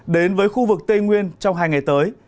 đến với khu vực tây nguyên trong hai ngày tới